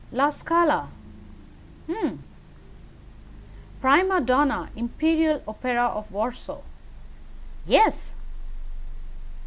La Scala hum! Prima donna Imperial Opera of Warsaw yes!